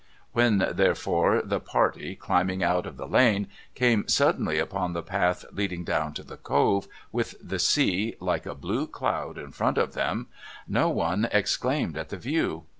When, therefore, the party, climbing out of the Lane, came suddenly upon the path leading down to the Cove, with the sea, like a blue cloud in front of them, no one exclaimed at the view.